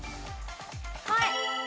はい。